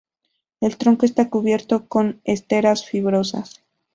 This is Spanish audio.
El tronco está cubierto con esteras fibrosas.